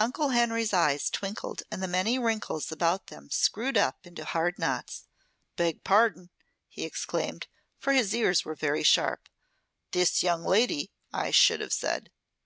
Uncle Henry's eyes twinkled and the many wrinkles about them screwed up into hard knots. "Beg pardon!" he exclaimed, for his ears were very sharp. "This young lady, I should have said.